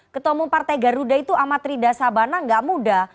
ketua umum partai garuda itu amat rida sabana nggak muda